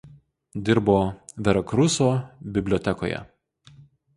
Dirbo Verakruso bibliotekoje.